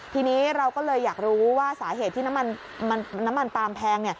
ทีนี้เราก็เลยอยากรู้ว่าสาเหตุที่น้ำมันปลามแพง